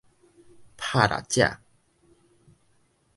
拍獵者